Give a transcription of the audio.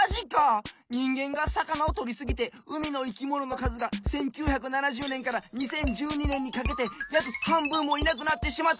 にんげんがさかなをとりすぎて海のいきもののかずが１９７０ねんから２０１２ねんにかけてやくはんぶんもいなくなってしまったって！